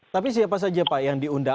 tapi siapa saja pak yang diundang